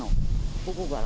ここから。